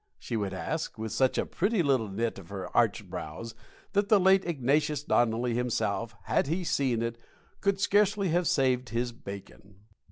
she would ask, with such a pretty little knit of her arched brows that the late Ignatius Donnelly, himself, had he seen it, could scarcely have saved his Bacon.